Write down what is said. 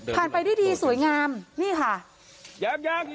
ผ่านไปได้ดีสวยงามนี่ค่ะ